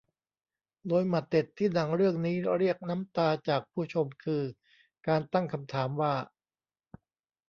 โดยหมัดเด็ดที่หนังเรื่องนี้เรียกน้ำตาจากผู้ชมคือการตั้งคำถามว่า